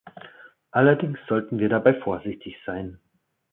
Allerdings sollten wir dabei vorsichtig sein.